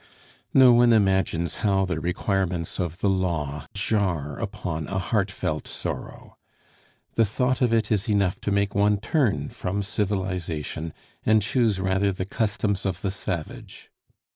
No one imagines how the requirements of the law jar upon a heartfelt sorrow. The thought of it is enough to make one turn from civilization and choose rather the customs of the savage.